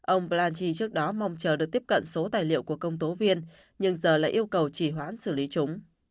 ông blanchi trước đó mong chờ được tiếp cận số tài liệu của công tố viên nhưng giờ lại yêu cầu chỉ hoãn xử lý chúng